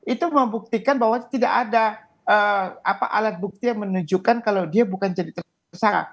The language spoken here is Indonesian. itu membuktikan bahwa tidak ada alat bukti yang menunjukkan kalau dia bukan jadi tersangka